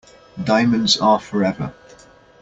Diamonds are forever.